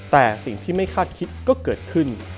แต่สิ่งที่ไม่คาดคิดก็เกิดขึ้น